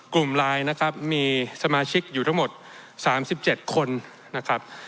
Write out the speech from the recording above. กลุ่มไลน์นะครับมีสมาชิกอยู่ทั้งหมด๓๗คนนะครับ